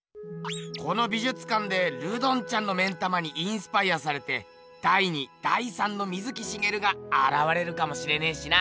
この美術館でルドンちゃんの目ん玉にインスパイアされて第２第３の水木しげるがあらわれるかもしれねえしな。